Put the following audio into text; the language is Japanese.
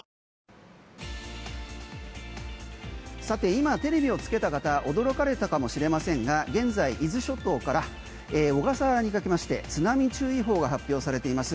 今テレビをつけた方驚かれたかもしれませんが現在伊豆諸島から小笠原にかけまして津波注意報が発表されています。